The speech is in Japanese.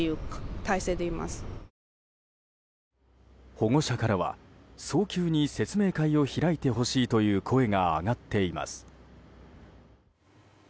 保護者からは早急に説明会を開いてほしいという声が上がっています。